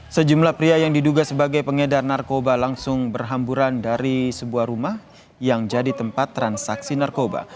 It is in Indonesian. sejumlah pria yang diduga sebagai pengedar narkoba langsung berhamburan dari sebuah rumah yang jadi tempat transaksi narkoba